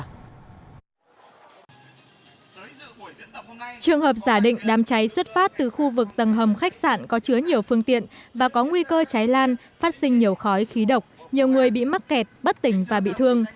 trường hợp giả định đám cháy xuất phát từ khu vực tầng hầm khách sạn có chứa nhiều phương tiện và có nguy cơ cháy lan phát sinh nhiều khói khí độc nhiều người bị mắc kẹt bất tỉnh và bị thương